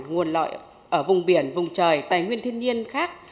nguồn lợi ở vùng biển vùng trời tài nguyên thiên nhiên khác